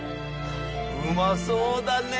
うまそうだねえ！